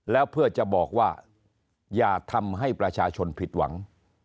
แล้วเพื่อจะบอกว่าอย่าทำให้ประชาชนผิดหวัง